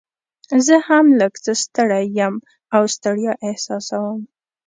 زه هم لږ څه ستړی یم او ستړیا احساسوم.